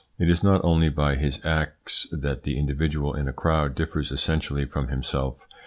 It is not only by his acts that the individual in a crowd differs essentially from himself.